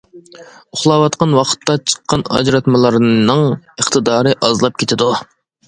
ئۇخلاۋاتقان ۋاقىتتا چىققان ئاجراتمىلارنىڭ ئىقتىدارى ئازلاپ كېتىدۇ.